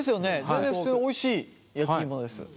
全然普通においしい焼き芋です。